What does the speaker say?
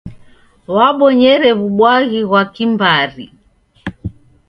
W'abonyere w'ubwaghi ghwa kimbari.